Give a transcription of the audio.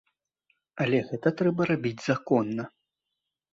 Але гэта трэба рабіць законна.